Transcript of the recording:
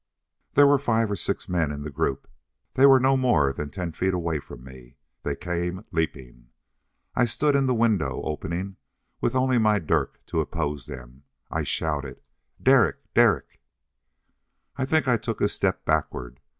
There were five or six men in the group. They were no more than ten feet away from me. They came leaping. I stood in the window opening, with only my dirk to oppose them. I shouted, "Derek! Derek!" I think I took a step backward.